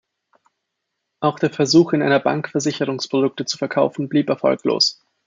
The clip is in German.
Auch der Versuch, in einer Bank Versicherungsprodukte zu verkaufen, blieb erfolglos.